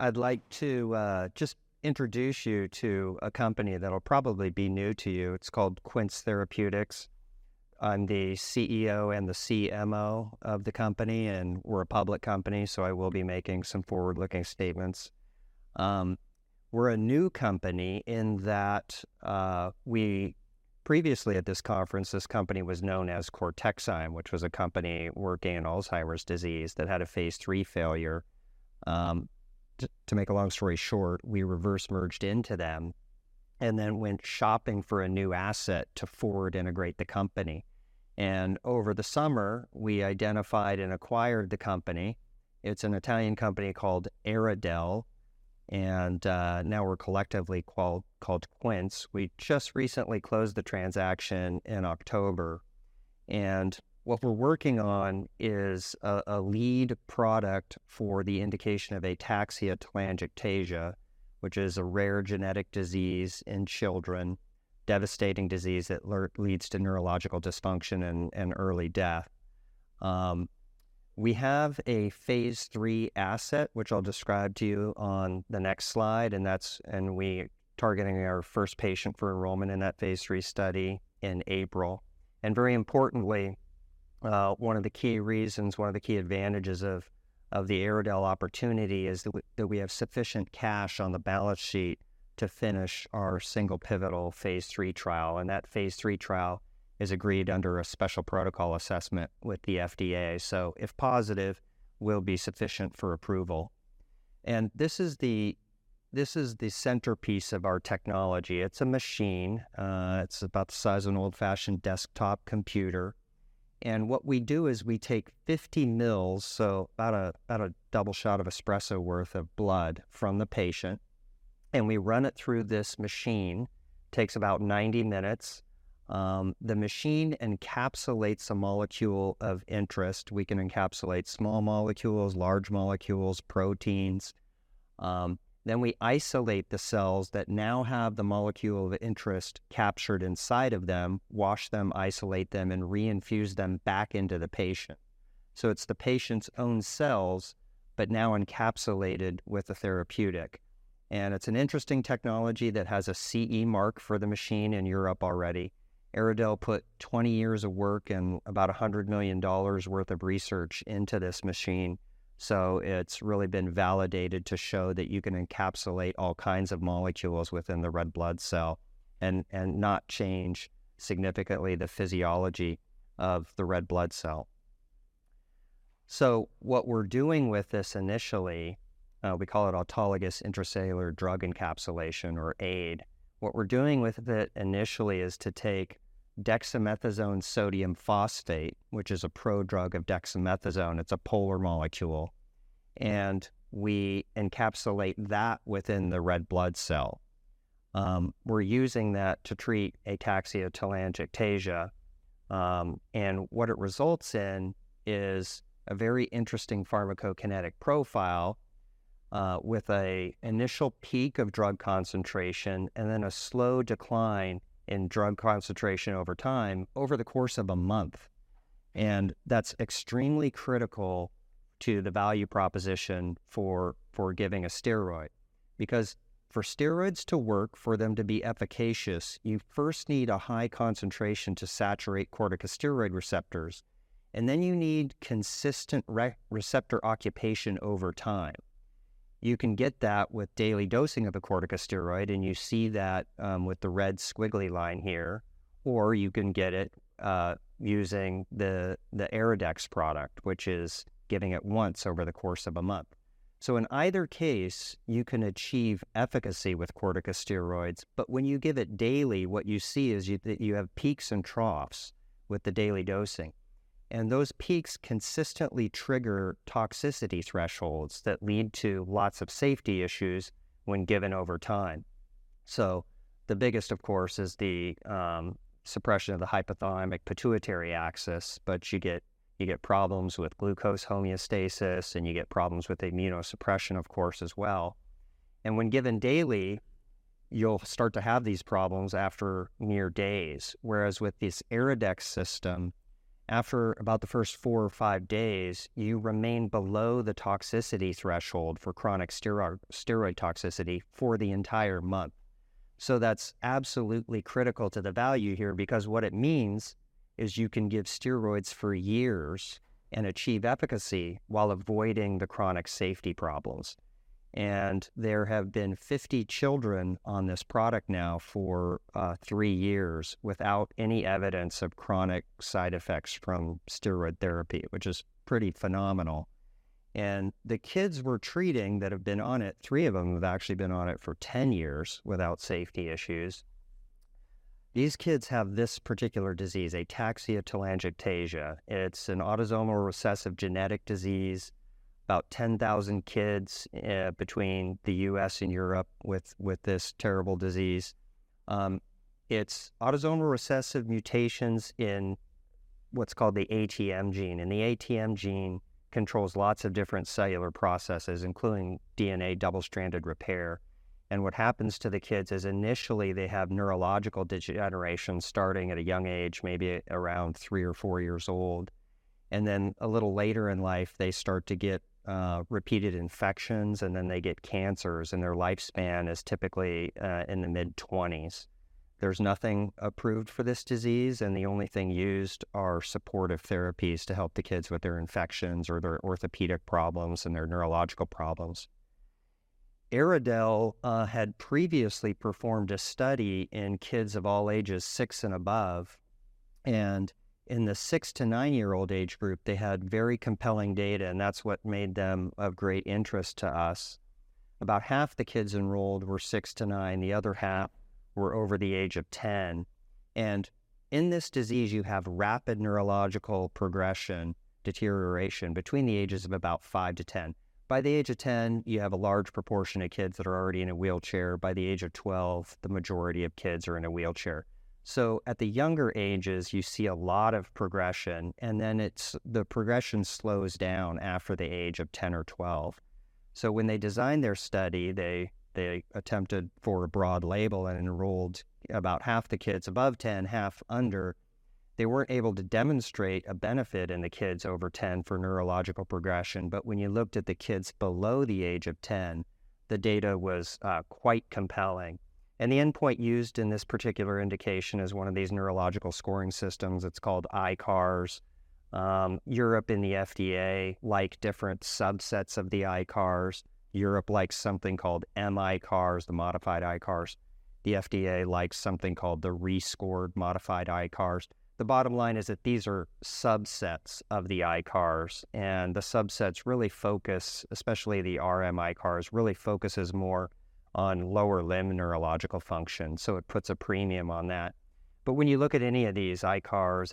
I'd like to just introduce you to a company that'll probably be new to you. It's called Quince Therapeutics. I'm the CEO and the CMO of the company, and we're a public company, so I will be making some forward-looking statements. We're a new company in that we previously at this conference, this company was known as Cortexyme, which was a company working in Alzheimer's disease that had a phase III failure. To make a long story short, we reverse merged into them, and then went shopping for a new asset to forward integrate the company, and over the summer, we identified and acquired the company. It's an Italian company called EryDel, and now we're collectively called Quince. We just recently closed the transaction in October, and what we're working on is a lead product for the indication of ataxia-telangiectasia, which is a rare genetic disease in children, devastating disease that leads to neurological dysfunction and early death. We have a phase III asset, which I'll describe to you on the next slide, and we're targeting our first patient for enrollment in that phase III study in April. Very importantly, one of the key reasons, one of the key advantages of the EryDel opportunity is that we have sufficient cash on the balance sheet to finish our single pivotal phase III trial, and that phase III trial is agreed under a Special Protocol Assessment with the FDA, so if positive, will be sufficient for approval. This is the centerpiece of our technology. It's a machine. It's about the size of an old-fashioned desktop computer, and what we do is we take 50 ml, so about a, about a double shot of espresso worth of blood from the patient, and we run it through this machine. Takes about 90 minutes. The machine encapsulates a molecule of interest. We can encapsulate small molecules, large molecules, proteins. Then we isolate the cells that now have the molecule of interest captured inside of them, wash them, isolate them, and reinfuse them back into the patient. So it's the patient's own cells, but now encapsulated with a therapeutic, and it's an interesting technology that has a CE mark for the machine in Europe already. EryDel put 20 years of work and about $100 million worth of research into this machine, so it's really been validated to show that you can encapsulate all kinds of molecules within the red blood cell and not change significantly the physiology of the red blood cell. So what we're doing with this initially, we call it autologous intracellular drug encapsulation, or AIDE. What we're doing with it initially is to take dexamethasone sodium phosphate, which is a prodrug of dexamethasone, it's a polar molecule, and we encapsulate that within the red blood cell. We're using that to treat ataxia-telangiectasia, and what it results in is a very interesting pharmacokinetic profile, with a initial peak of drug concentration, and then a slow decline in drug concentration over time over the course of a month. And that's extremely critical to the value proposition for, for giving a steroid, because for steroids to work, for them to be efficacious, you first need a high concentration to saturate corticosteroid receptors, and then you need consistent receptor occupation over time. You can get that with daily dosing of a corticosteroid, and you see that with the red squiggly line here, or you can get it using the EryDex product, which is giving it once over the course of a month. So in either case, you can achieve efficacy with corticosteroids, but when you give it daily, what you see is you, that you have peaks and troughs with the daily dosing, and those peaks consistently trigger toxicity thresholds that lead to lots of safety issues when given over time. So the biggest, of course, is the suppression of the hypothalamic pituitary axis, but you get, you get problems with glucose homeostasis, and you get problems with immunosuppression, of course, as well, and when given daily, you'll start to have these problems after mere days. Whereas with this EryDex system, after about the first four or five days, you remain below the toxicity threshold for chronic steroid, steroid toxicity for the entire month. So that's absolutely critical to the value here, because what it means is you can give steroids for years and achieve efficacy while avoiding the chronic safety problems. And there have been 50 children on this product now for three years without any evidence of chronic side effects from steroid therapy, which is pretty phenomenal. The kids we're treating that have been on it, three of them have actually been on it for 10 years without safety issues. These kids have this particular disease, ataxia-telangiectasia. It's an autosomal recessive genetic disease, about 10,000 kids between the U.S. and Europe with this terrible disease. It's autosomal recessive mutations in what's called the ATM gene, and the ATM gene controls lots of different cellular processes, including DNA double-stranded repair. What happens to the kids is, initially, they have neurological degeneration starting at a young age, maybe around three or four years old. And then a little later in life, they start to get repeated infections, and then they get cancers, and their lifespan is typically in the mid-20s. There's nothing approved for this disease, and the only thing used are supportive therapies to help the kids with their infections or their orthopedic problems and their neurological problems. EryDel had previously performed a study in kids of all ages six and above, and in the six-nine-year-old age group, they had very compelling data, and that's what made them of great interest to us. About half the kids enrolled were six-nine, the other half were over the age of 10, and in this disease, you have rapid neurological progression, deterioration between the ages of about five-10. By the age of 10, you have a large proportion of kids that are already in a wheelchair. By the age of 12, the majority of kids are in a wheelchair. So at the younger ages, you see a lot of progression, and then it's the progression slows down after the age of 10 or 12. So when they designed their study, they attempted for a broad label and enrolled about half the kids above 10, half under. They weren't able to demonstrate a benefit in the kids over 10 for neurological progression, but when you looked at the kids below the age of 10, the data was quite compelling. And the endpoint used in this particular indication is one of these neurological scoring systems. It's called ICARS. Europe and the FDA like different subsets of the ICARS. Europe likes something called mICARS, the modified ICARS. The FDA likes something called the rescored modified ICARS. The bottom line is that these are subsets of the ICARS, and the subsets really focus, especially the RmICARS, really focuses more on lower limb neurological function, so it puts a premium on that. But when you look at any of these ICARS,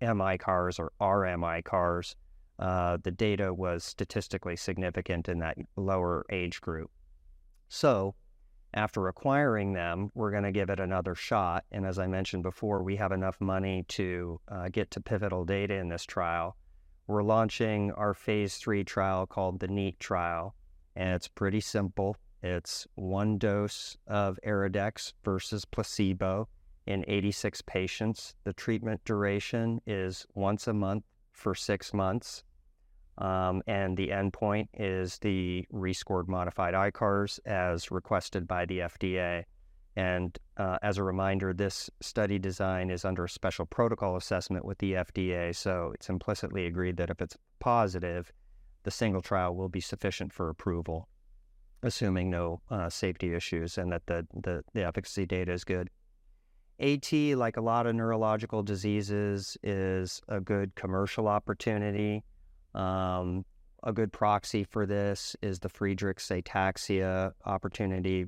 mICARS or RmICARS, the data was statistically significant in that lower age group. So after acquiring them, we're gonna give it another shot, and as I mentioned before, we have enough money to get to pivotal data in this trial. We're launching our phase III trial called the NEAT Trial, and it's pretty simple. It's one dose of EryDex versus placebo in 86 patients. The treatment duration is once a month for 6 months, and the endpoint is the rescored modified ICARS, as requested by the FDA. As a reminder, this study design is under a Special Protocol Assessment with the FDA, so it's implicitly agreed that if it's positive, the single trial will be sufficient for approval, assuming no safety issues and that the efficacy data is good. A-T, like a lot of neurological diseases, is a good commercial opportunity. A good proxy for this is the Friedreich's ataxia opportunity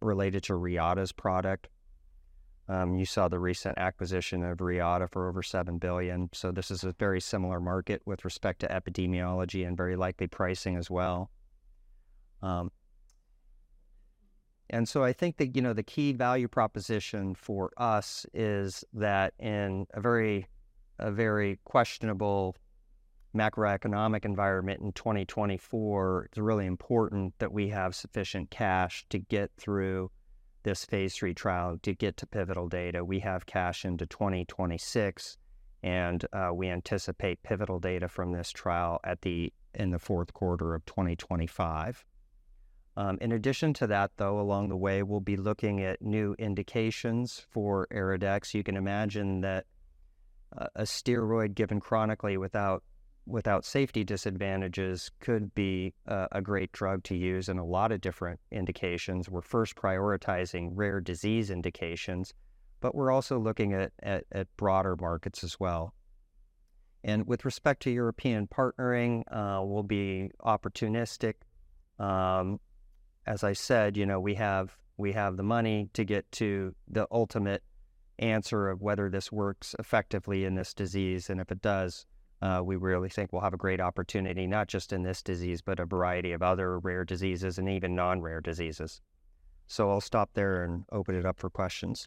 related to Reata's product. You saw the recent acquisition of Reata for over $7 billion, so this is a very similar market with respect to epidemiology and very likely pricing as well. And so I think that, you know, the key value proposition for us is that in a very, a very questionable macroeconomic environment in 2024, it's really important that we have sufficient cash to get through this phase III trial to get to pivotal data. We have cash into 2026, and we anticipate pivotal data from this trial in the fourth quarter of 2025. In addition to that, though, along the way, we'll be looking at new indications for EryDex. You can imagine that a steroid given chronically without, without safety disadvantages could be a great drug to use in a lot of different indications. We're first prioritizing rare disease indications, but we're also looking at broader markets as well. And with respect to European partnering, we'll be opportunistic. As I said, you know, we have, we have the money to get to the ultimate answer of whether this works effectively in this disease, and if it does, we really think we'll have a great opportunity, not just in this disease, but a variety of other rare diseases and even non-rare diseases. So I'll stop there and open it up for questions.